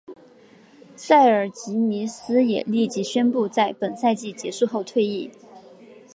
塞尔吉尼奥也立即宣布在本赛季结束后退役。